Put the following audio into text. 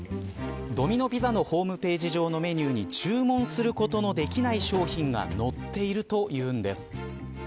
ドミノ・ピザのホームページ上のメニューに注文することのできない商品が載っているというんです。